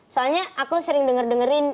soalnya aku sering denger dengerin